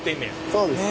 そうです。